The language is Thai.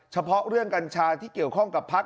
เฉพาะเรื่องกัญชาที่เกี่ยวข้องกับพัก